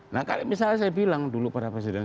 nah kalau misalnya saya bilang dulu pada presiden